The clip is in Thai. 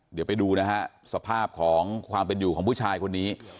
เดี๋ยวไปดูนะฮะสภาพของความเป็นอยู่ของผู้ชายคนนี้